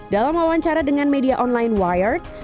dalam wawancara dengan media online wired